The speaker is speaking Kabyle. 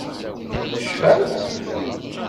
Tecfam?